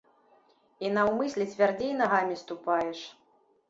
І наўмысля цвярдзей нагамі ступаеш.